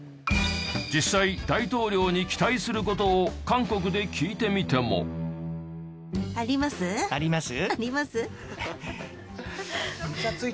実際大統領に期待する事を韓国で聞いてみても。あります？